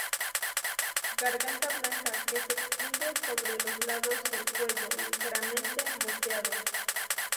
Garganta blanca que se extiende sobre los lados del cuello, ligeramente moteados.